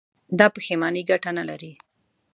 دا پښېماني گټه نه لري.